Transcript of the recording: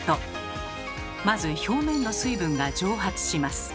まず表面の水分が蒸発します。